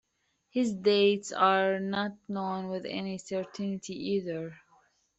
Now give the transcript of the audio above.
His dates are not known with any certainty either.